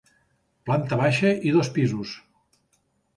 Planta baixa i dos pisos.